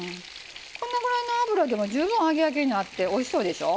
このぐらいの油でも十分揚げ焼きになっておいしそうでしょ？